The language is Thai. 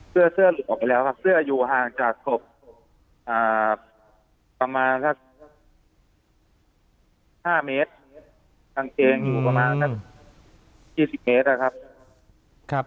เสื้อเสื้อหลุดออกไปแล้วครับเสื้ออยู่ห่างจากศพประมาณสัก๕เมตรกางเกงอยู่ประมาณสัก๒๐เมตรนะครับ